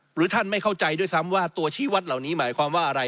หรือท่านไม่เข้าใจด้วยซ้ำว่าตัวชี้วัดเหล่านี้หมายความว่าอะไร